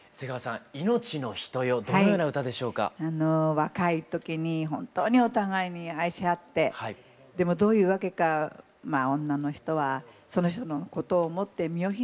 若い時に本当にお互いに愛し合ってでもどういう訳か女の人はその人のことを思って身を引いちゃうんですね。